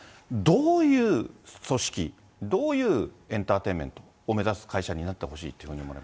どういう組織、どういうエンターテインメントを目指す会社になってほしいと思わ